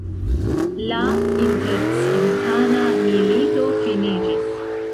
La intercivitana milito finiĝis.